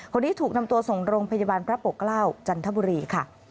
คนนี้ถูกนำตัวส่งโรงพยาบาลพระปกเกล้าจันทบุรีค่ะ